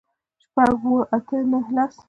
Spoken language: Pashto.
شپږ، اووه، اته، نهه، لس